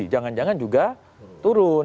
jangan jangan juga turun